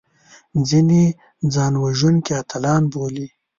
ځینې ځانوژونکي اتلان بولي